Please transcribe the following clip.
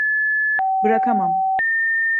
Bırakamam.